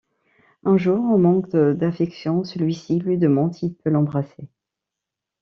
Un jour, en manque d'affection, celui-ci lui demande s'il peut l'embrasser.